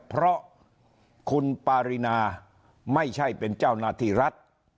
เพราะคุณปารินาไม่ใช่เป็นเจ้าหน้าที่รัฐ